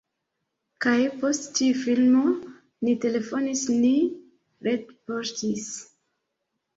kaj post tiu filmo ni telefonis, ni retpoŝtis